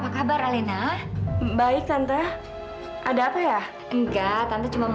kamu mau tahu deem ak